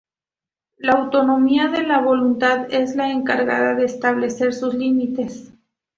La autonomía de la voluntad es la encargada de establecer sus límites.